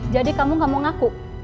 jadi kamu gak mau ngaku